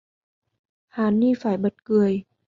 Hà ni phải bật cười